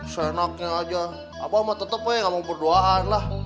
senaknya aja abah sama tete poy ngomong berduaan lah